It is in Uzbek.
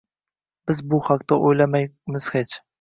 Biz bu haqda o’ylamaymiz hech.